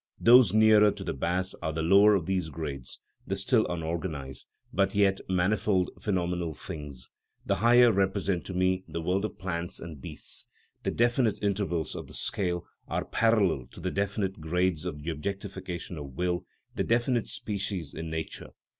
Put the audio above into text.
Those nearer to the bass are the lower of these grades, the still unorganised, but yet manifold phenomenal things; the higher represent to me the world of plants and beasts. The definite intervals of the scale are parallel to the definite grades of the objectification of will, the definite species in nature.